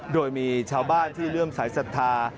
โดยมีชาวบ้านที่เริ่มสายศรัทธา